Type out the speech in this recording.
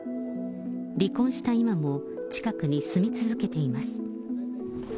離婚した今も、近くに住み続けています。